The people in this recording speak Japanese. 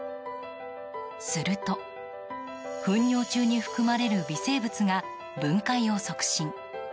すると、糞尿中に含まれる微生物が分解を促進。